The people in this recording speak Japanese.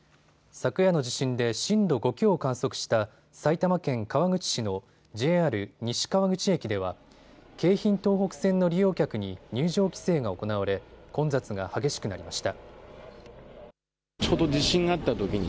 昨夜の地震で震度５強を観測した埼玉県川口市のＪＲ西川口駅では京浜東北線の利用客に入場規制が行われ混雑が激しくなりました。